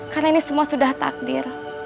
karena ini semua sudah takdir